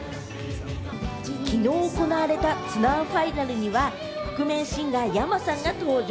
きのう行われたツアーファイナルには覆面シンガーｙａｍａさんが登場。